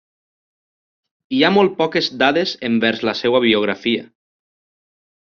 Hi ha molt poques dades envers la seva biografia.